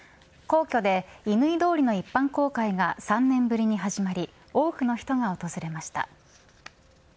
皇居で乾通りの一般公開が３年ぶりに始まり多くの人が訪れました。